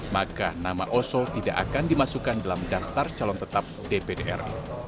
maka nama oso tidak akan dimasukkan dalam daftar calon tetap dpd ri